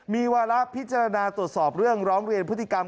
มีวาระพิจารณาตรวจสอบเรื่องร้องเรียนพฤติกรรม